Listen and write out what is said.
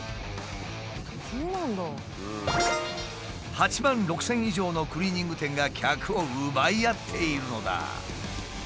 ８万６，０００以上のクリーニング店が客を奪い合っているのだ。